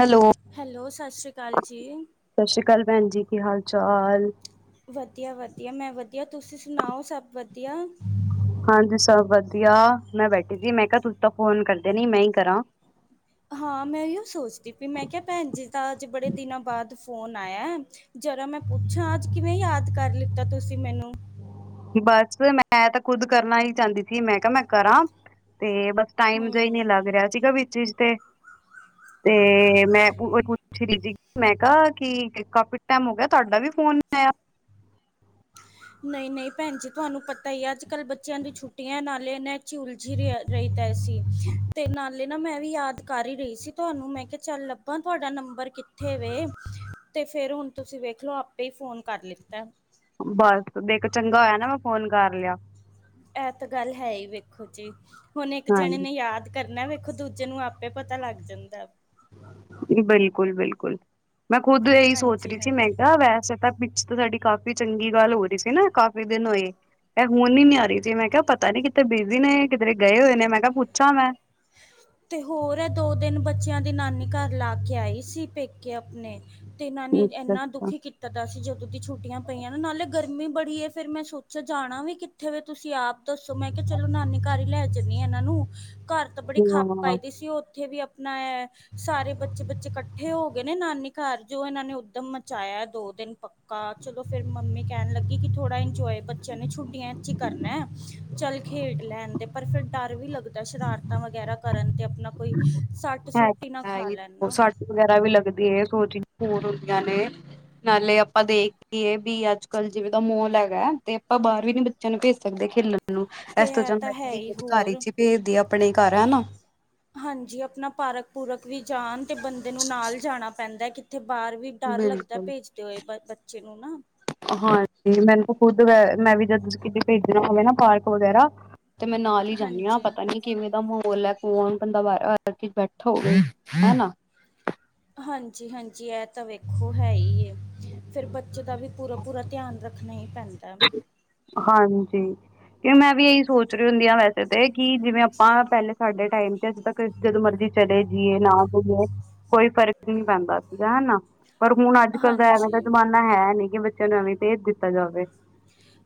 Hello hello ਸਤਿ ਸ਼੍ਰੀ ਅਕਾਲ ਜੀ। ਸਤਿ ਸ੍ਰੀ ਅਕਾਲ ਭੈਣ ਜੀ ਕੀ ਹਾਲ ਚਾਲ। ਵਧੀਆ-ਵਧੀਆ ਮੈਂ ਵਧੀਆ ਤੁਸੀ ਸੁਣਾਓ ਸਭ ਵਧੀਆ। ਹਾਂਜੀ ਸਭ ਵਧੀਆ ਮੈਂ ਬੈਠੀ ਸੀ ਮੈਂ ਕਿਹਾ ਤੂੰਸੀ ਤਾਂ ਫੋਨ ਕਰਦੇ ਨੀ ਮੈਂ ਹੀ ਕਰਾਂ ਹਾਂ ਮੈਂ ਇ ਸੋਚਦੀ ਪਈ ਮੈਂ ਕਿਹਾ ਭੈਣ ਜੀ ਦਾ ਅੱਜ ਬੜੇ ਦਿਨਾਂ ਬਾਅਦ ਫੋਨ ਆਇਆ ਜਰਾ ਮੈਂ ਪੁੱਛਾਂ ਅੱਜ ਕਿਵੇਂ ਯਾਦ ਕਰ ਲਿੱਤਾ ਤੁਸੀਂ ਮੈਨੂੰ ਬਸ ਮੈਂ ਤਾਂ ਖੁੱਦ ਕਰਨਾ ਹੀ ਚਾਹੁੰਦੀ ਸੀ ਮੈਂ ਕਿਹਾ ਮੈਂ ਕਰਾਂ ਤੇ ਬਸ ਟਾਈਮ ਜਿਹਾ ਹੀ ਨਹੀਂ ਲੱਗ ਰਿਹਾ ਸੀਗਾ ਵਿੱਚ ਤੇ ਹ ਤੇ ਮੈਂ ਪੁੱਛ ਰਹੀ ਸੀ ਕਿ ਕਾਫੀ ਟਾਈਮ ਹੋ ਗਿਆ ਤੁਹਾਡਾ ਵੀ ਫੋਨ ਨਹੀ ਆਇਆ ਨਹੀਂ ਨਹੀਂ ਭੈਣ ਜੀ ਤੁਹਾਨੂੰ ਪਤਾ ਹੀ ਹੈ ਅੱਜ ਕੱਲ੍ਹ ਬੱਚਿਆਂ ਦੀ ਛੁੱਟੀਆਂ ਨਾਲੇ ਨੇ ਝ ਉਲਝੀ ਰ ਰਹੀਦਾ ਸੀ ਤੇ ਨਾਲੇ ਨਾ ਮੈਂ ਵੀ ਯਾਦ ਕਰ ਹੀ ਰਹੀ ਸੀ ਤੁਹਾਨੂੰ ਮੈਂ ਕਿਹਾ ਚੱਲ ਲੱਭਾਂ ਤੁਹਾਡਾ ਨੰਬਰ ਕਿੱਥੇ ਵੇ ਤੇ ਫਿਰ ਹੁਣ ਤੁਸੀਂ ਵੇਖਲੋ ਆਪੇ ਹੀ ਫੋਨ ਕਰ ਲਿੱਤਾ ਬਸ ਦੇਖੋ ਚੰਗਾ ਹੋਇਆ ਨਾ ਮੈਂ ਫੋਨ ਕਰ ਲਿਆ ਇਹ ਤਾਂ ਗੱਲ ਹੈ ਹੀ ਵੇਖੋ ਜੀ ਹੁਣ ਇੱਕ ਜਣੇ ਨੇ ਹਾਂਜੀ ਯਾਦ ਕਰਨਾ ਵੇਖੋ ਦੂਜੇ ਨੂੰ ਆਪੇ ਪਤਾ ਲੱਗ ਜਾਂਦਾ ਬਿਲਕੁਲ ਬਿਲਕੁਲ ਮੈਂ ਖੁੱਦ ਇਹੀ ਸੋਚ ਹਾਂਜੀ ਰਹੀ ਸੀ ਮੈਂ ਹਾਂਜੀ ਕਿਹਾ ਵੈਸੇ ਤਾਂ ਪਿੱਛ ਤਾਂ ਸਾਡੀ ਕਾਫ਼ੀ ਚੰਗੀ ਗੱਲ ਹੋ ਰਹੀ ਸੀ ਨਾ ਕਾਫੀ ਦਿਨ ਹੋਏ ਇਹ ਹੁਣ ਨੀ ਆ ਰਹੀ ਸੀ ਮੈਂ ਕਿਹਾ ਪਤਾ ਨੀ ਕਿੱਥਤੇ ਬਿਜ਼ੀ ਨੇ ਕਿਧਰੇ ਗਏ ਹੋਏ ਨੇ ਮੈਂ ਕਿਹਾ ਪੁੱਛਾਂ ਮੈਂ ਹ ਤੇ ਹੋਰ ਹੈ ਦੋ ਦਿਨ ਬੱਚਿਆਂ ਦੀ ਨਾਨੀ ਘਰ ਲਾ ਕੇ ਆਈ ਸੀ ਪੇਕੇ ਆਪਣੇ ਤੇ ਇਹਨਾਂ ਨੇ ਅੱਛਾ ਇੰਨਾ ਅੱਛਾ ਦੁਖੀ ਕੀਤਾ ਤਦ ਅਸੀਂ ਜਦੋਂ ਦੀ ਛੁੱਟੀਆਂ ਪਈਆਂ ਨਾ ਨਾਲੇ ਗਰਮੀ ਬੜੀ ਹੈ ਫਿਰ ਮੈਂ ਸੋਚਿਆ ਜਾਣਾ ਵੀ ਕਿੱਥੇ ਵ ਤੁਸੀਂ ਆਪ ਦੱਸੋ ਮੈਂ ਕਿਹਾ ਚਲੋ ਨਾਨੀ ਘਰ ਹੀ ਲੈ ਜਾਂਦੀ ਹਾਂ ਇਹਨਾਂ ਨੂੰ ਘਰ ਤਾਂ ਬੜੀ ਖਾਪ ਪਾਈ ਹਾਂ ਦੀ ਸੀ ਉੱਥੇ ਵੀ ਆਪਣਾ ਹੈ ਸਾਰੇ ਬੱਚੇ ਬੱਚੇ ਇਕੱਠੇ ਹੋ ਨੇ ਨਾਨੀ ਘਰ ਜੋ ਇਹਨਾਂ ਨੇ ਉੱਦਮ ਮਚਾਇਆ ਦੋ ਦਿਨ ਪੱਕਾ ਚਲੋ ਫਿਰ ਮੰਮੀ ਕਹਿਣ ਲੱਗੀ ਕਿ ਥੋੜਾ ਇੰਜੋਏ ਬੱਚਿਆਂ ਨੇ ਛੁੱਟੀਆਂ ਚ ਹੀ ਕਰਨਾ ਚੱਲ ਖੇਡ ਲੈਣਦੇ ਪਰ ਫਿਰ ਡਰ ਵੀ ਲੱਗਦਾ ਸ਼ਰਾਰਤਾਂ ਵਗੈਰਾ ਕਰਨ ਤੇ ਆਪਣਾ ਕੋਈ ਸੱਟ ਹੈ ਸੁੱਟ ਹੀ ਨਾ ਤਾਂ ਹੈ ਖਾ ਲੈਣ ਨਾ ਸੱਟ ਵਗੈਰਾ ਵੀ ਲੱਗਦੀ ਹੈ ਸੋਚ ਫਨ ਹੁੰਦੀਆਂ ਨੇ ਨਾਲੇ ਆਪਾਂ ਦੇਖ ਕੇਏ ਵੀ ਅੱਜ ਕੱਲ ਜਿਵੇਂ ਦਾ ਮਾਹਲ ਹੈਗਾ ਤੇ ਆਪਾਂ ਬਾਹਰ ਵੀ ਨੀ ਬੱਚਿਆਂ ਨੂੰ ਭੇਜ ਸਕਦੇ ਖੇਲਣ ਮੈਨੂੰ ਤੇ ਇਸ ਤੋਂ ਇਹ ਚੰ ਮੈਂ ਤਾਂ ਹੈ ਅਧਿ ਹੀ ਘਕਾਰ ਹੋਰ ਚ ਹੀ ਭੇਜਦੀ ਆ ਆਪਣੇ ਘਰ ਹੈਾ ਹਾਂਜੀ ਆਪਣਾ ਪਾਰਕ ਪੂਰਕ ਵੀ ਜਾਣ ਤੇ ਬੰਦੇ ਨੂੰ ਨਾਲ ਜਾਣਾ ਪੈਂਦਾ ਕਿੱਥੇ ਬਾਹਰ ਵੀ ਡਰ ਲੱਗਦਾ ਬਿਲਕੁਲ ਭੇਜਦੇ ਹੋਏ ਬੱਚੇ ਨੂੰ ਨਾ ਹਾਂਜੀ ਮੈਨੂੰ ਖੁਦ ਮੈਂ ਵੀ ਜਦ ਕਿਤੇ ਭੇਜਣਾ ਹੋਵੇ ਨਾ ਪਾਰਕ ਵਗੈਰਾ ਤੇ ਮੈਂ ਨਾਲ ਹੀ ਜਾਂਦੀ ਹਾਂ ਹਾਂਜੀ ਪਤਾ ਨੀ ਕਿਵੇਂ ਦਾ ਬੋਲੇ ਕੋਣ ਬੰਦਾ ਬਾਰਕੇ ਬੈਠਾ ਹੋਵੇ ਹੈਨਾ। ਹਾਂਜੀ ਹਾਂਜੀ ਇਹ ਤਾਂ ਵੇਖੋ ਹੈ ਹੀ ਫਿਰ ਬੱਚੇ ਦਾ ਵੀ ਪੂਰਾ ਪੂਰਾ ਧਿਆਨ ਰੱਖਣਾ ਏ ਹਾਂਜੀ ਕਿ ਮੈਂ ਵੀ ਇਹੀ ਸੋਚ ਰਹੀ ਹੁੰਦੀ ਹਾਂ ਵੈਸੇ ਕਿ ਜਿਵੇਂ ਆਪਾਂ ਪਹਿਲੇ ਸਾਡੇ ਟਾਈਮ ਤੇ ਅੱਜ ਤੱਕ ਜਦੋਂ ਮਰਜੀ ਚਲੇ ਜੀਏ ਨਾ ਜਈਏ ਕੋਈ ਫ਼ਰਕ ਨਹੀਂ ਪੈਂਦਾ ਸੀਗਾ ਹਨਾ ਪਰ ਹੁਣ ਅੱਜ ਕੱਲ ਦਾ ਐਵੇਂ ਦਾ ਹਾਂਜੀ ਜ਼ਮਾਨਾ ਹੈ ਨੀ ਕਿ ਬੱਚਿਆਂ ਨੂੰ ਐਵੇਂ ਭੇਜ ਦਿੱਤਾ ਜਾਵੇ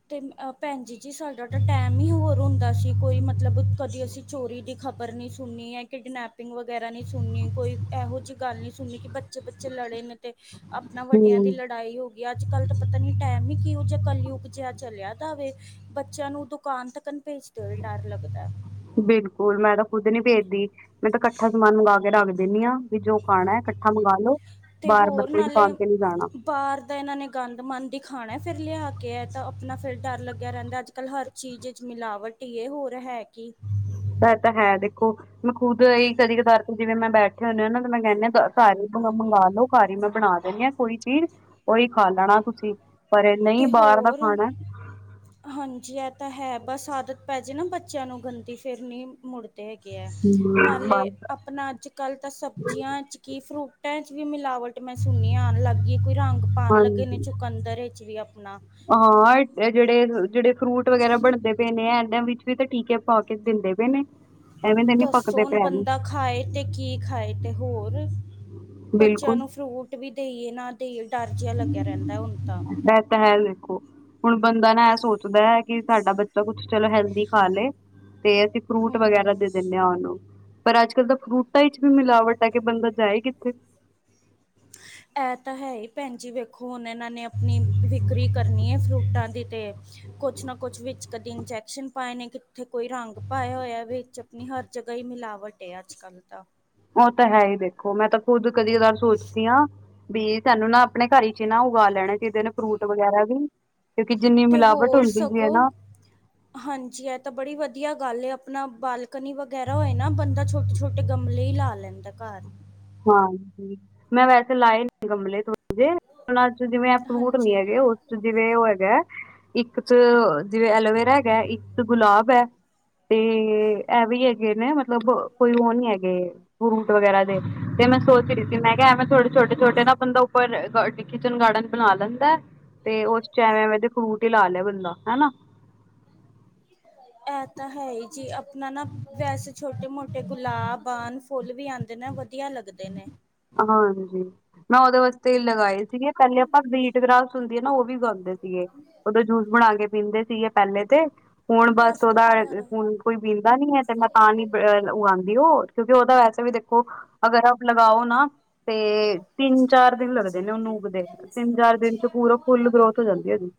ਅਤੇ ਭੈਣ ਜੀ ਜੀ ਸਾਡਾ ਤਾਂ ਟਾਈਮ ਹੀ ਹੋਰ ਹੁੰਦਾ ਸੀ ਕੋਈ ਮਤਲਬ ਕਦੀ ਅਸੀਂ ਚੋਰੀ ਦੀ ਖਬਰ ਨਹੀਂ ਸੁਨੀ ਹੈ ਕਿਡਨੈਪਿੰਗ ਵਗੈਰਾ ਨਹੀਂ ਸੁਣਨੀ ਕੋਈ ਇਹੋ ਜਿਹੀ ਗੱਲ ਨਹੀਂ ਸੁਣਨੀ ਕਿ ਬੱਚੇ ਬੱਚੇ ਬੱਚੇ ਲੜੇ ਨੇ ਤੇ ਆਪਣਾ ਵੱਡਿਆਂ ਦੀ ਹਮ ਲੜਾਈ ਹੋ ਗਈ ਅੱਜ ਕੱਲ੍ਹ ਤਾਂ ਪਤਾ ਨਹੀਂ ਟਾਈਮ ਹੀ ਕਿਊ ਜਾਂ ਕੱਲਿਉ ਜਿਹਾ ਚਲਿਆ ਜਾਵੇ ਬੱਚਿਆਂ ਨੂੰ ਦੁਕਾਨ ਤੱਕ ਭੇਜਦੇ ਹੋਏ ਡਰ ਲੱਗਦਾ ਬਿਲਕੁਲ ਮੈਂ ਤਾਂ ਖੁੱਦ ਨੀ ਭੇਜਦੀ ਮੈਂ ਤਾਂ ਇਕੱਠਾ ਸਮਾਨ ਮੰਗਾ ਕੇ ਰੱਖਦੀ ਦਿੰਦੀ ਹਾਂ ਵੀ ਜੋ ਖਾਣਾ ਹੈ ਇਕੱਠਾ ਮੰਗ ਲੋੋ ਤੇ ਬਾਰ ਬ ਹੋਰ ਪਾ ਨਾਲੇ ਕੇ ਨਹੀਂ ਜਾਣਾ ਬਾਹਰ ਦਾ ਇਹਨਾਂ ਨੇ ਗੰਦ ਮਨ ਹੀ ਖਾਣਾ ਫਿਰ ਲਿਆ ਕੇ ਹੈ ਤਾਂ ਆਪਣਾ ਫਿਰ ਡਰ ਲੱਗਿਆ ਰਹਿੰਦਾ ਅੱਜ ਕੱਲ੍ਹ ਹਰ ਚੀਜ਼ ਚ ਮਿਲਾਵਟ ਇਹ ਹੋ ਰਿਹਾ ਹੈ ਕਿ ਇਹ ਤਾਂ ਹੈ ਦੇਖੋ ਮੈਂ ਖੁਦ ਹੀ ਕਦੇ ਕਤਾਰ ਤੇ ਜਿਵੇਂ ਮੈਂ ਬੈਠੇ ਹੁੰਦੇ ਹ ਨਾ ਤੇ ਮੈਂ ਕਹਿੰਨੀ ਹ ਸਾਰੇ ਮੰਗਵਾ ਲਓ ਸਾਰੀ ਮੈਂ ਬਣਾ ਦਣੀ ਹਾਂ ਕੋਈ ਚੀਜ਼ ਉਓਹੀ ਖਾ ਲੈਣਾ ਤੁਸੀਂ ਪਰ ਇਹ ਨਹੀਂ ਤੇ ਬਾਹਰ ਦਾ ਹੋਰ ਖਾਣਾ ਹਾਂਜੀ ਇਹ ਤਾਂ ਹੈ ਬਸ ਆਦਤ ਪੈ ਜਾੇ ਨਾ ਬੱਚਿਆਂ ਨੂੰ ਗੰਦੀ ਫਿਰ ਨਹੀਂ ਮੁੜ ਹੈਗੇ ਹੈ ਹੂੰ, ਨਾਲੇ ਬਸ ਆਪਣਾ ਅੱਜ ਕੱਲ ਤਾਂ ਸਬਜ਼ੀਆਂ ਚ ਕਿ ਫਰੂਟਾਂ ਚ ਵੀ ਮਿਲਾਵਟ ਮੈਂ ਸੁਣਣੀ ਆਉਣ ਲੱਗ ਗਈਏ ਕੋਈ ਰੰਗ ਪਾਉਣ ਲੱਗੇ ਨੇ ਹਾਂਜੀ ਚੁਕੰਦਰ ਵੀ ਆਪਣਾ ਹਾਂ ਜਿਹੜੇ ਜਿਹੜੇ ਫਰੂਟ ਵਗੈਰਾ ਬਣਦੇ ਪਏ ਨੇ ਆ ਇਹਨਾਂ ਵਿੱਚ ਵੀ ਤਾਂ ਠੀਕ ਹੈ ਪਾ ਕੇ ਦਿੰਦੇ ਪ ਨੇ ਐਵੇਂ ਦੇ ਨੀ ਦੱਸੋ ਪੱਕਦੇ ਹੁਣ ਪਏ ਐਵੇਂ ਬੰਦਾ ਖਾਏ ਤੇ ਕੀ ਖਾਏ ਤੇ ਹੋਰ ਬੱਚਿਆਂ ਨੂੰ ਫਰੂਟ ਵੀ ਦੇਈਏ ਨਾ ਦੇਈਏ ਡਰ ਜਿਹਾ ਲੱਗਿਆ ਰਹਿੰਦਾ ਹੁਣ ਤਾਂ ਬ ਤਾਂ ਹੈਾਲ ਹੁਣ ਬੰਦਾ ਨਾ ਇਹ ਸੋਚਦਾ ਹੈ ਕਿ ਸਾਡਾ ਬੱਚਾ ਕੁੱਛ ਚਲੋ ਹੈਲਦੀ ਖਾ ਲਏ ਤੇ ਅਸੀਂ ਫਰੂਟ ਵਗੈਰਾ ਹੂੰ ਦੇ ਦਿੰਦੇ ਆ ਉਹਨੂੰ ਪਰ ਅੱਜ ਕੱਲ ਤਾਂ ਫਰੂਟਾਂ ਚ ਵੀ ਮਿਲਾਵਟ ਹੈ ਕਿ ਬੰਦਾ ਜਾਏ ਕਿੱਥੇ ਹ ਇਹ ਤਾਂ ਹੈ ਹੀ ਭੈਣ ਜੀ ਵੇਖੋ ਹੁਣ ਇਹਨਾਂ ਨੇ ਆਪਣੀ ਵਿਕਰੀ ਕਰਨੀ ਹੈ ਫਰੂਟਾਂ ਦੀ ਤਾਂ ਕੁਛ ਨਾ ਕੁਛ ਵਿੱਚ ਕਦੇ ਇੰਜੈਕਸ਼ਨ ਪਾਏ ਨੇ ਕਿੱਥੇ ਕੋਈ ਰੰਗ ਪਾਇਆ ਹੋਇਆ ਵਿੱਚ ਆਪਣੀ ਹਰ ਜਗ੍ਹਾ ਹੀ ਮਿਲਾਵਟ ਹੈ ਅੱਜ ਕੱਲ੍ਹ ਤਾਂ ਉਹ ਤਾਂ ਹੈ ਹੀ ਦੇਖੋ ਮੈਂ ਤਾਂ ਖੁਦ ਕਦੀ ਕਦਾਰ ਸੋਚਦੀ ਹਾਂ ਵੀ ਸਾਨੂੰ ਨਾ ਆਪਣੇ ਘਰ ਚ ਹੀ ਨਾ ਉਗਾ ਲੈਣਾ ਕਿਦੇ ਨੇ ਫਰੂਟ ਵਗੈਰਾ ਵੀ ਕਿਉਂਕਿ ਜਿੰਨੀ ਤੇ ਮਿਲਾਵਟ ਹੋਰ ਹੁੰਦੀ ਵੀ ਹੈ ਸਗੋਂ ਨਾ ਹਾਂਜੀ ਇਹ ਤਾ ਬੜੀ ਵਧੀਆ ਗੱਲ ਆਪਣਾ ਬਾਲਕਨੀ ਵਗੈਰਾ ਹੋਏ ਨਾ ਬੰਦਾ ਛੋਟ ਛੋਟੇ ਗਮਲੇ ਹੀ ਲਾ ਲੈਂਦਾ ਘਰ। ਹਾਂਜੀ ਮੈਂ ਵੈਸੇ ਲਾਏ ਨੇ ਗਮਲੇ ਥੋ ਨਾਂ ਚ ਜਿਵੇਂ ਫਰੂਟ ਨਹੀਂ ਹਾਂਜੀ ਹੈਗੇ ਉਸ ਚ ਜਿਵੇਂ ਉਹ ਹੈਗਾ ਇੱਕ ਚ ਜਿਵੇਂ ਐਲੋਵੇਰਾ ਹੈਗਾ ਇੱਕ ਗੁਲਾਬ ਹੈ ਤੇ ਇਹ ਵੀ ਹੈਗੇ ਨੇ ਮਤਲਬ ਕੋਈ ਉਹ ਨੀ ਹੈਗੇ ਫਰੂਟ ਵਗੈਰਾ ਦੇ। ਤੇ ਮੈਂ ਸੋਚ ਰਹੀ ਸੀ ਮੈਂ ਕਿਹਾ ਐਵੇ ਥੋੜੇ ਛੋਟੇ-ਛੋਟੇ ਨਾ ਬੰਦਾ ਉੱਪਰ ਕਿਚਨ ਗਾਰਡਨ ਬਣਾ ਲੈਂਦਾ। ਤੇ ਉਸ ਚ ਐਵੇਂ-ਐਵੇਂ ਦੇ ਫਰੂਟ ਹੀ ਲਾ ਲਏ ਬੰਦਾ ਹਨਾ। ਇਹ ਤਾਂ ਹੈ ਹੀ ਜੀ ਆਪਣਾ ਨਾ ਵੈਸੇ ਛੋਟੇ ਮੋਟੇ ਗੁਲਾਬ ਆਨ ਫੁੱਲ ਵੀ ਆਉਂਦੇ ਨੇ ਵ ਵਧੀਆ ਲੱਗਦੇ ਨੇ। ਹਾਂਜੀ ਮੈਂ ਉਹਦੇ ਵਾਸਤੇ ਲਗਾਏ ਸੀਗੇ। ਪਹਿਲੇ ਆਪਾ ਵੀਟ ਗ੍ਰਸ ਹੁੰਦੀ ਹੈ ਨਾ ਉਹ ਵੀ ਉਗਾਉਂਦੇ ਸੀਗੇ ਉਦੋਂ ਜੂਸ ਬਣਾ ਕੇ ਪੀਂਦੇ ਸੀ ਪਹਿਲੇ ਤੇ ਹੁਣ ਬਸ ਦੱਸ ਤੋਂ ਉਹਦਾ ਹ ਦੁਬਾਰਾ ਕੋਈ ਪਿੰਦਾ ਨੀ ਹੈ ਤੇ ਮੈਂ ਤਾਂ ਨੀ ਉਗਾ ਦਿਓ ਕਿਉਂਕਿ ਉਹਦਾ ਵੈਸੇ ਵੀ ਦੇਖੋ ਅਗਰ ਆਪ ਲਗਾਓ ਨਾ ਤੇ ਤਿੰਨ ਚਾਰ ਦਿਨ ਲੱਗਦੇ ਨੇ ਉਨੂੰ ਉਗਦੇ ਤਿੰਨ ਚਾਰ ਦਿਨ ਚ ਪੂਰਾ ਫੁੱਲ ਗਰੋਥ ਹੋ ਜਾਂਦੀ ਹੈ ਓਦੀ।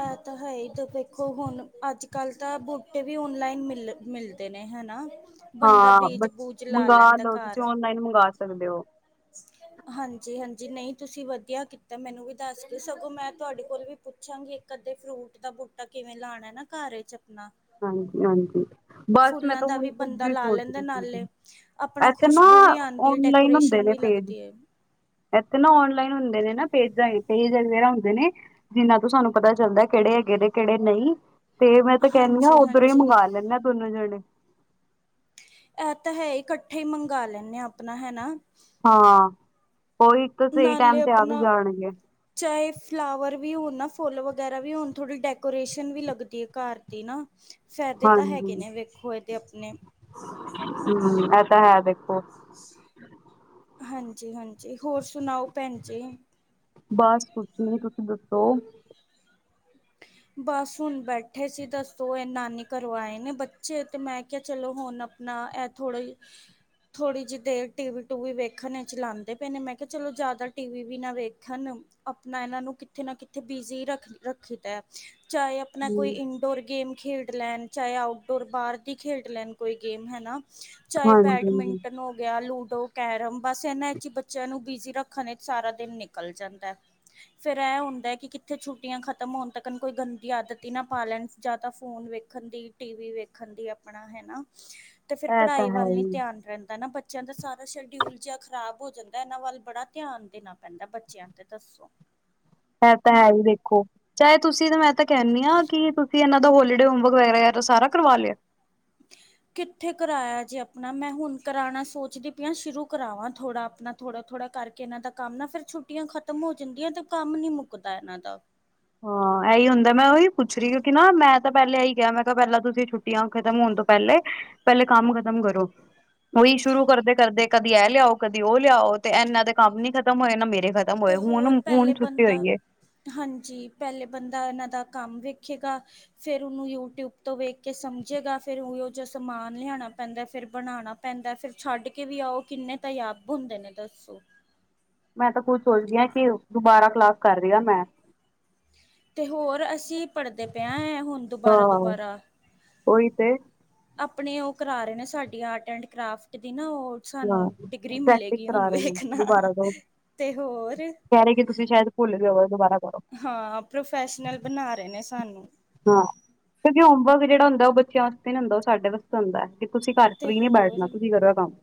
ਇਹ ਤਾਂ ਹੈ ਹੀ ਤਾਂ ਵੇਖੋ ਹੁਣ ਅੱਜ ਕੱਲ੍ਹ ਤਾਂ ਬੂਟੇ ਵੀ ਔਨਲਾਈਨ ਮਿਲ ਮਿਲ ਦੇ ਨੇ ਹਨਾ ਬੰਦਾ ਹਾਂ ਬਟ ਬੀਜ-ਬੂਜ ਲਾ ਮੰਗਵਾ ਲੈਂਦਾ ਲਓ ਘਰ। [unintelligible] ਹਾਂਜੀ-ਹਾਂਜੀ ਨਈ ਤੁਸੀ ਵਧੀਆ ਕੀਤਾ ਮੈਨੂੰ ਵੀ ਦੱਸ ਦੋ ਸਗੋਂ ਮੈਂ ਤੁਹਾਡੇ ਕੋਲ ਵੀ ਪੁੱਛਾਂਗੀ। ਕਦੇ ਫਰੂਟ ਦਾ ਬੂਟਾ ਕਿਵੇਂ ਲਾਣਾ ਨਾ ਘਰ ਚ ਆਪਣਾ। ਹਾਂਜੀ-ਹਾਂਜੀ ਫੁੱਲਾਂ ਦਾ ਵੀ ਬੰਦਾ ਲਾ ਲੈਂਦਾ ਨਾਲੇ ਸੀ ਆਪਣਾ ਇੱਥੇ ਨਾ ਖੁਸ਼ਬੂ ਵੀ ਆਉਂਦੀ ਹੈ ਔਨਲਾਈਨ ਹੁੰਦੇ ਡੈਕੋਰੇਸ਼ਨ ਨੇ ਵੀ ਲੱਗ ਪੇਜ ਦੀ ਏ। ਇੱਥੇ ਨਾ ਔਨਲਾਈਨ ਹੁੰਦੇ ਨੇ ਨਾ ਪੇਜਾਂ ਪੇਜ ਵਰਾ ਹੁੰਦੇ ਨੇ। ਜਿੰਨਾ ਤੋਂ ਸਾਨੂੰ ਪਤਾ ਚੱਲਦਾ ਕਿਹੜੇ ਹੈਗੇ ਨੇ ਕਿਹੜੇ ਨਈ ਤੇ ਕੈਨੀ ਆ ਹਾਂਜੀ ਉੱਧਰੋ ਹੀ ਹਾਂਜੀ ਮੰਗਵਾ ਲੈਂਦੇ ਹਾਂ ਦੋਨੋ ਜਨੇ। ਇਹ ਤਾ ਹੈ ਕੱਠੇ ਹੀ ਮੰਗਵਾ ਲੇਨੇ ਆਪਣਾ ਹੈਨਾ। ਹਾਂ ਉਹੀ ਇੱਕ ਸਹੀ ਨਾਲੇ ਟਾਈਮ ਤੇ ਆ ਵੀ ਆਪਣਾ ਜਾਣਗੇ। ਚਾਹੇ ਫਲਾਵਰ ਵੀ ਹੋਣ ਨਾ ਫੁੱਲ ਵਗੈਰਾ ਵੀ ਹੋਣ ਥੋੜੀ ਡੈਕੋਰੇਸ਼ਨ ਵੀ ਲੱਗਦੀ ਹੈ ਘਰ ਦੀ ਨਾ। ਫਾਇਦੇ ਤਾ ਹੈਗੇ ਹਾਂਜੀ ਨੇ ਵੇਖੋ ਇਹਦੇ ਆਪਨੇ। ਹਮ ਇਹ ਤਾਂ ਹੈ ਦੇਖੋ। ਹਾਂਜੀ-ਹਾਂਜੀ ਹੋਰ ਸੁਣਾਓ ਭੈਣ ਜੀ। ਬਸ ਕੁਛ ਨੀ ਤੁਸੀ ਦੱਸੋ। ਬਸ ਹੁਣ ਬੈਠੇ ਸੀ ਦੱਸੋ ਇਹ ਨਾਨੀ ਘਰੋ ਆਏ ਨੇ ਬੱਚੇ ਤੇ ਮੈਂ ਕਿਹਾ ਚਲੋ ਹੁਣ ਨਾ ਇਹ ਥੋੜ੍ਹਾ ਜ ਥੋੜ੍ਹੀ ਜਿਹੀ ਦੇਰ ਟੀਵੀ ਟੂਵੀ ਵੇਖਣ ਇਚ ਲਾਂਦੇ ਪਏ ਨੇ ਮੈਂ ਕਿਹਾ ਚਲੋ ਜਾਦਾ ਟੀਵੀ ਵੀ ਨਾ ਵੇਖਣ। ਆਪਣਾ ਇਹਨਾਂ ਨੂੰ ਕਿੱਥੇ ਨਾ ਕਿੱਥੇ ਬਿਜੀ ਰੱਖਦਾ ਚਾਹੇ ਆਪਣਾ ਕੋਈ ਹਮ ਇਨ ਡੋਰ ਗੇਮ ਖੇਡ ਲੈਣ ਚਾਹੇ ਆਊਟਡੋਰ ਬਾਰ ਦੀ ਖੇਡ ਲੈਣ ਕੋਈ ਗੇਮ ਹੈਨਾ। ਚਾਹੇ ਹਾਂਜੀ ਬੈਡਮਿੰਟਨ ਹੋ ਗਿਆ ਲੂਡੋ ਕੈਰਮ ਬਸ ਇਹਨਾ ਇਚ ਹੀ ਬੱਚਿਆਂ ਨੂੰ ਬਿਜੀ ਰੱਖਣ ਵਿਚ ਸਾਰਾ ਦਿਨ ਨਿਕਲ ਜਾਂਦਾ। ਫੇਰ ਇਹ ਹੁੰਦਾ ਹੈ ਕਿ ਕਿੱਥੇ ਛੁੱਟੀਆਂ ਖ ਖਤਮ ਹੋਣ ਤੱਕਨ ਕੋਈ ਗੰਦੀ ਆਦਤ ਹੀ ਨਾ ਪਾ ਲੈਣ ਜਾ ਤਾ ਫੋਨ ਵੇਖਣ ਦੀ ਟੀਵੀ ਵੇਖਣ ਦੀ ਆਪਣਾ ਹੈਨਾ। ਤੇ ਫਿਰ ਇਹ ਪੜ੍ਹਾਈ ਤਾਂ ਹੈ ਵੱਲ ਨੀ ਹੀ ਧਿਆਨ ਰਹਿੰਦਾ ਨਾ ਬ ਚਿਆ ਦਾ ਸਾਰਾ ਸ਼ਡਿਊਲ ਜਾ ਖ਼ਰਾਬ ਹੋ ਜਾਂਦਾ ਇਹਨਾ ਵੱਲ ਬੜਾ ਧਿਆਨ ਦੇਣਾ ਪੈਂਦਾ ਬੱਚਿਆ ਤੇ ਦੱਸੋ। ਇਹ ਤਾ ਹੈ ਹੀ ਦੇਖੋ ਚਾਹੇ ਤੁਸੀ ਤਾਂ ਮੈਂ ਤਾਂ ਕਹਿਿੰਦੀ ਹਾਂ ਕਿ ਤੁਸੀਂ ਇਹਨਾਂ ਦਾ ਹੋਲੀਡੇ ਹੋਮਵਰਕ ਵਗੈਰਾ ਸਾਰਾ ਕਰਵਾ ਲਿਆ। [inaudible] ਕਿੱਥੇ ਕਰਾਇਆ ਜੇ ਆਪਣਾ ਮੈਂ ਹੁਣ ਕਰਾਉਣਾ ਸੋਚਦੀ ਪਈ ਹਾਂ ਸ਼ੁਰੂ ਕਰਾਵਾਂ ਥੋੜ੍ਹਾ ਆਪਣਾ ਥੋੜਾ-ਥੋੜਾ ਕਰਕੇ ਇਹਨਾਂ ਦਾ ਕੰਮ ਨਾ ਫਿਰ ਛੁੱਟੀਆਂ ਖਤਮ ਹੋ ਜਾਂਦੀਆਂ ਤੇ ਕੰਮ ਨੀ ਮੁੱਕਦਾ ਇਹਨਾਂ ਦਾ ਹਾਂ ਇਹੀ ਹੁੰਦਾ ਮੈਂ ਉਓਹੀ ਪੁੱਛ ਰਹੀ ਕਿਉਂਕਿ ਨਾ ਮੈਂ ਤਾਂ ਪਹਿਲਾਂ ਇਹੀ ਕਿਹਾ ਮੈਂ ਕਿਹਾ ਪਹਿਲਾਂ ਤੁਸੀਂ ਛੁੱਟੀ ਛੁੱਟੀਆਂ ਖਤਮ ਹੋਣ ਤੋਂ ਪਹਿਲੇ, ਪਹਿਲੇ ਕੰਮ ਖ਼ਤਮ ਕਰੋ। ਉਹੀ ਸ਼ੁਰੂ ਕਰਦੇ-ਕਰਦੇ ਕਦੀ ਇਹ ਲਿਆਓ ਕਦੇ ਉਹ ਲਿਆਓ ਤੇ ਇਨਾਂ ਦੇ ਕੰਮ ਨੀ ਖਤਮ ਹੋਏਆ ਨਾ ਮੇਰੇ ਖਾਤਮ ਹੋਏ ਤੇ ਹੋਰ ਹੁਣ ਹੁਣ ਪਹਿਲੇ ਛੁੱਟੀ ਬੰਦਾ ਹੋਈਏ ਹਾਂਜੀ ਪਹਿਲੇ ਬੰਦਾ ਇਹਨਾਂ ਦਾ ਕੰਮ ਵੇਖੇਗਾ ਫੇਿਰ ਉਹਨੂੰ ਯੂਟਿਊਬ ਤੋਂ ਵੇਖ ਕੇ ਸਮਝੇਗਾ ਫਿਰਰ ਉਹੋ ਜੋ ਸਮਾਨ ਲਿਆਉਣਾ ਪੈਂਦਾ ਫਿਰ ਬਣਾਉਣਾ ਪੈਂਦਾ ਫਿਰ ਛੱਡ ਕੇ ਵੀ ਆਓ ਕਿੰਨੇ ਤਾਂ ਯਾਬ ਹੁੰਦੇ ਨੇ ਦੱਸੋ ਮੈਂ ਤਾਂ ਖੁਦ ਸੋਚਦੀ ਹਾਂ ਕਿ ਦੁਬਾਰਾ ਕਲਾਸ ਕਰ ਰਹੀ ਆ ਮੈਂ ਤੇ ਹੋਰ ਅਸੀਂ ਪੜ੍ਹਦੇ ਪਏ ਹਾਂ ਹੈ ਹੁਣ ਹਾਂ ਦੁਬਾਰਾ-ਦੁਬਾਰਾ ਉਹੀ ਤੇ ਆਪਣੇ ਉਹ ਕਰਾ ਰਹੇ ਨੇ ਸਾਡੀ ਆਰਟ ਐਂਡ ਕਰਾਫਟ ਦੀ ਨਾ ਉਹ ਸਾਨੂੰ ਹਾਂ ਡਿਗਰੀ ਪ੍ਰੈਕਟਿਸ ਮਿਲੇਗੀ ਹੁਨ ਕਰਾ ਰਹੇ ਨੇ ਵੇਖਣਾ ਤੇ ਹੋਰ ਕੈਹਿ ਰਹੇ ਕਿ ਤੁਸੀਂ ਸ਼ਾਇਦ ਭੁੱਲ ਜਾਓ ਦੁਬਾਰਾ ਕਰੋ ਹਾਂ ਪ੍ਰੋਫੈਸ਼ਨਲ ਬਣਾ ਰਹੇ ਨੇ ਸਾਨੂੰ ਹਾਂ ਕਿਉਂਕਿ ਹੋਮਵਰਕ ਜਿਹੜਾ ਹੁੰਦਾ ਉਹ ਬੱਚਿਆਂ ਵਾਤੇ ਨਹੀਂ ਹੁੰਦਾ ਉਹ ਸਾੇ ਵਾਸਤੇ ਹੁੰਦਾ ਕਿ ਤੁਸੀਂ ਘਰ ਤੇ ਫਰੀ ਨੀ ਬੈਠਣਾ ਹੋਰ ਤੁਸੀਂ ਕਰੋ ਏ ਕੰਮ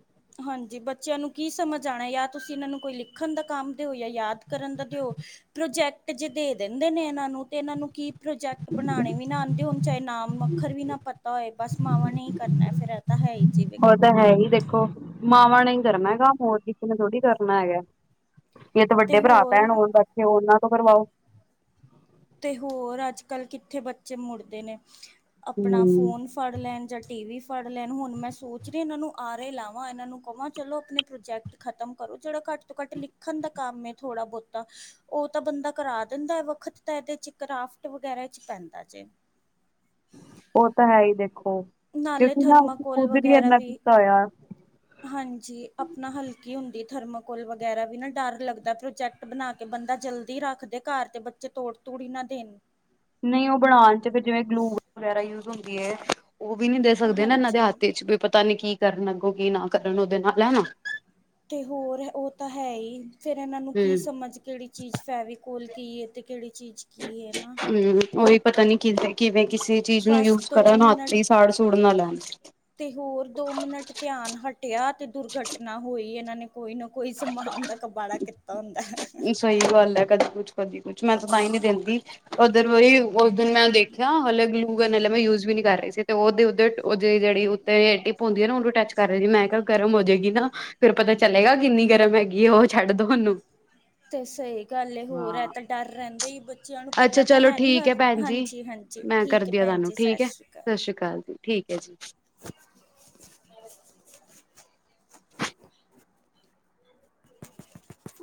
ਹਾਂਜੀ ਬੱਚਿਆਂ ਨੂੰ ਕੀ ਸਮਝ ਆਉਣਾ ਜਾਂ ਤੁਸੀਂ ਇਹਨਾਂ ਨੂੰ ਕੋਈ ਲਿਖਣ ਦਾ ਕੰਮ ਦਿਓ ਜਾਂ ਯਾਦ ਕਰਨ ਦਾ ਦਿਓ ਪ੍ਰੋਜੈਕਟ ਜੇ ਦੇ ਦਿੰਦੇ ਨੇ ਇਹਨਾਂ ਨੂੰ ਤੇ ਇਹਨਾਂ ਨੂੰ ਕੀ ਪ੍ਰੋਜੈਕਟ ਬਣਾਉਣੇ ਵੀ ਨਾ ਆਉਂਦੇ ਹੋਣ ਚਾਹੇ ਨਾਮ ਅੱਖਰ ਵੀ ਨਾ ਪਤਾ ਹੋਏ ਬਸ ਮਾਵਾਂ ਨੇ ਕਰਨਾ ਫਿਰ ਤਾਂ ਹੈ ਹੀ ਜੀ ਉਹ ਤਾਂ ਵੇਖੋ ਹੈ ਹੀ ਦੇਖੋ ਮਾਵਾਂ ਨੇ ਹੀ ਕਰਨਾ ਹੈਗਾ ਮੋਰ ਦੀਤ ਨੇ ਥੋੜ੍ਹੀ ਕਰਨਾ ਹੈਗਾ ਇਹ ਤੇ ਵੱਡੇ ਭਰਾ ਭੈਣ ਹੋਣ ਤੇ ਉਹਨਾ ਤੋਂ ਕਰਵਾਓ ਤੇ ਹੋਰ ਅੱਜ ਕੱਲ੍ਹ ਕਿੱਥੇ ਬੱਚੇ ਮੁੜਦੇ ਨੇ ਆਪਣਾ ਹਮ ਫੋਨ ਫੜ ਲੈਣ ਜਾਂ ਟੀ ਵੀ ਫੜ ਲੈਣ ਹੁਣ ਮੈਂ ਸੋਚ ਰਹੀ ਇਹਨਾਂ ਨੂੰ ਆਰੇ ਲਾਵਾਂ ਇਹਨਾਂ ਨੂੰ ਕਹਾਂ ਚਲੋ ਆਪਣੇ ਪ੍ਰੋਜੈਕਟ ਖਤਮ ਕਰੋ ਜਿਹੜਾ ਘੱਟ ਤੋਂ ਘੱਟ ਲਿਖਣ ਦਾ ਕੰਮ ਥੋੜਾ ਬਹੁਤਾ ਉਹ ਤਾਂ ਬੰਦਾ ਕਰਾ ਦਿੰਦਾ ਹੈ ਵੱਖਤ ਤਾਂ ਇਹਦੇ ਚ ਕਰਾਫਟ ਵਗੈਰਾ ਚ ਪੈਂਦਾ ਜੇ ਉਹ ਤਾਂ ਹੈ ਹੀ ਦੇਖੋ ਨਾਲੇ ਕਿਉਂਕਿ ਨਾ ਅਸੀਂ ਥਰਮਾਕੋਲ ਖੁੱਦ ਹੀ ਵਗੈਰਾ ਇਨਾ ਵੀ ਕੀਤਾ ਹੋਇਆ ਹਾਂਜੀ ਆਪਣਾ ਹਲਕੀ ਹੁੰਦੀ ਥਰਮਾਕੋਲ ਵਗੈਰਾ ਵੀ ਨਾ ਡਰ ਲੱਗਦਾ ਪ੍ਰੋਜੈਕਟ ਬਣਾ ਕੇ ਬੰਦਾ ਜਲਦੀ ਰੱਖਦੇ ਘਰ ਤੇ ਬੱਚੇ ਤੋੜ ਤੂੜ ਹੀ ਨਾ ਦੇਣ ਨਹੀਂ ਉਹ ਬਣਾਉਣ ਚ ਫਿਰ ਜਿਵੇਂ ਗਲੂ ਵਗੈਰਾ ਯੂਜ਼ ਹੁੰਦੀ ਹੈ ਉਹ ਵੀ ਨੀ ਦੇ ਸਕਦੇ ਨਾ ਇਹਨਾਂ ਦੇ ਹਾਂਜੀ ਹਥ ਚ ਵੀ ਪਤਾ ਨੀ ਕੀ ਕਰਨ ਅੱਗੋਂ ਕੀ ਨਾ ਕਰਨ ਉਹਦੇ ਨਾਲ ਹੈ ਨਾ ਤੇ ਹੋਰ ਉਹ ਤਾਂ ਹੈ ਹੀ ਫਿਰ ਇਹਨਾਂ ਨੂੰ ਕੀ ਹਮ ਸਮੱਝ ਕਿਹੜੀ ਚੀਜ਼ ਫੈਵੀ ਕੋਲ ਕੀ ਤੇ ਕਿਹੜੀ ਚੀਜ਼ ਕੀ ਹੈ ਨਾ ਹਮ ਉਹੀ ਪਤਾ ਨੀ ਕਿ ਕਿਵੇਂ ਕਿਸੇ ਚੀਜ਼ ਨੂੰ ਬਸ ਯੂਜ਼ ਦੋ ਕਰਨ ਹੱਥ ਮਿੰਟ ਸਾੜ ਸੁੂੜ ਨਾ ਲੈਣ ਤੇ ਹੋਰ ਦੋ ਮਿੰਟ ਧਿਆਨ ਹਟਿਆ ਤੇ ਦੁਰਘਟਨਾਂ ਹੋਈ ਇਹਨਾਂ ਨੇ ਕੋਈ ਨਾ ਕੋਈ ਸਮਾਨ ਦਾ ਕਬਾੜਾ ਕੀਤਾ ਹੁੰਦਾ ਹੈ ਸਹੀ ਗੱਲ ਹੈ ਕਦੀ ਕੁੱਛ ਕਦੀ ਕੁੱਛ ਮੈਂ ਤਾਂ ਤਾਂ ਹੀ ਨੀ ਦਿੰਦੀ ਉਧੱਰ ਵਾਈ ਉਸ ਦਿਨ ਮੈਂ ਦੇਖਿਆ ਹਲੇ ਗਲੂਗਨ ਮੈਂ ਯੂਜ ਵੀ ਨੀ ਕਰ ਰਹੀ ਸੀ ਤੇ ਉਹਦੇ ਉਧ ਉਹਦੀ ਜਿਹੜੀ ਤੇ ਟਿੱਪ ਹੁੰਦੀ ਹੈ ਨਾ ਉਹਨੂੰ ਟੱਚ ਕਰ ਰਹੇ ਜ ਮੈਂ ਕਿਹਾ ਗਰਮ ਹੋ ਜਾਏਗੀ ਨਾ ਫਿਰ ਪਤਾ ਚਲੇਗਾ ਕਿੰਨੀ ਗਰਮ ਹੈਗੀ ਹੈ ਉਹ ਛੱਡ ਦੋ ਉਹਨੂੰ ਤੇ ਸਹੀ ਗੱਲ ਇਹ ਹੋਰ ਹੈ ਹਾਂ ਤਾਂ ਡਰ ਰਹਿੰਦਾ ਹੀ ਬੱਚਿਆਂ ਨੂੰ ਅੱਛਾ ਪਤਾ ਤਾਂ ਚਲੋ ਹੈ ਨੀ ਠੀਕ ਹੋਰ ਭੈਣ ਜੀ ਹਾਂਜੀ ਹਾਂਜੀ ਮੈਂ ਠੀਕ ਹੈ ਕਰਦੀ ਆ ਭੈਣ ਤੁਹਾਨੂੰ ਜੀ ਠੀਕ ਹੈ ਸ਼੍ਰੀ ਸਤਿ ਸ੍ਰੀ ਅਕਾਲ ਜੀ ਠੀਕ ਹੈ ਜੀ [unintelligible] [unintelligible]